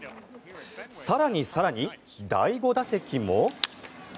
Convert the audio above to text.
更に更に、第５打席も。